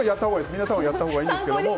皆さんはやったほうがいいんですが。